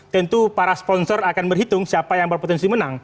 tentu para sponsor akan berhitung siapa yang berpotensi menang